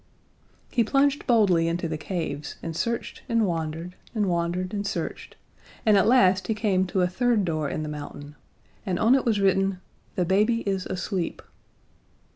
He plunged boldly into the caves and searched and wandered and wandered and searched, and at last he came to a third door in the mountain, and on it was written THE BABY IS ASLEEP.